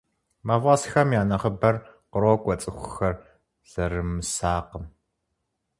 Мафӏэсхэм я нэхъыбэр кърокӏуэ цӏыхухэр зэрымысакъым.